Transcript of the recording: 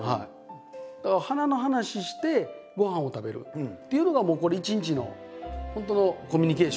だから花の話してごはんを食べるっていうのがこれ一日の本当のコミュニケーションっていうか。